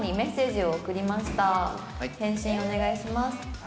「返信お願いします」